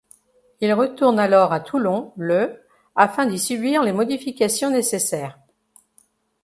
Il retourne alors à Toulon le afin d'y subir les modifications nécessaires.